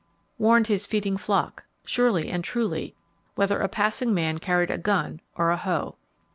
warned his feeding flock, surely and truly, whether a passing man carried a gun or a hoe.